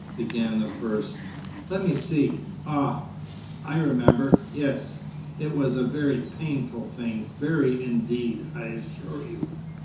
began the first. "Let me see. Ah! I remember. Yes; it was a very painful thing very, indeed, I assure you."